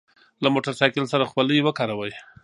له موټر سایکل سره خولۍ وکاروئ.